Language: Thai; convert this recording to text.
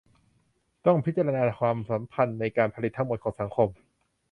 ต้องพิจารณาความสัมพันธ์ในการผลิตทั้งหมดของสังคม